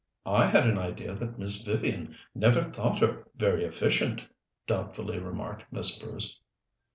"I had an idea that Miss Vivian never thought her very efficient," doubtfully remarked Miss Bruce.